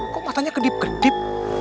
kok matanya kedip kedip